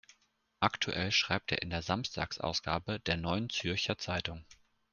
Aktuell schreibt er in der Samstagsausgabe der "Neuen Zürcher Zeitung".